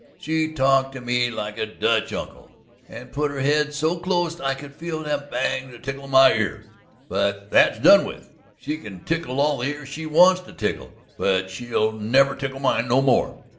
She talked to me like a Dutch uncle, and put her head so clost I could feel them bangs a ticklin' my ear. But that's done with; she can tickle all the ears she wants to tickle, but she'll never tickle mine no more.